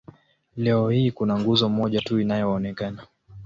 Leo hii kuna nguzo moja tu inayoonekana.